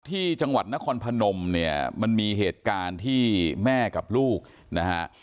ที่จังหวัดนครพนมเนี่ยมันมีเหตุการณ์ที่แม่กับลูกนะฮะ